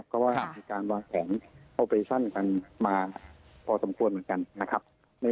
เพราะว่ามีการวางแผนโอเปชั่นกันมาพอสมควรเหมือนกันนะครับ